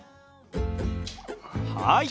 はい！